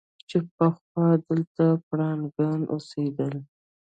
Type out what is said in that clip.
چې پخوا دلته پړانګان اوسېدل.